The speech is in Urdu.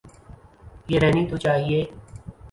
یہ رہنی تو چاہیے۔